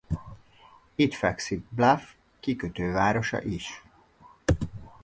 Itt fekszik Bluff kikötővárosa is.